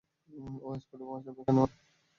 ও স্পটে পৌঁছাবে কখন?